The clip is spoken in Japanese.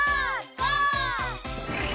ゴー！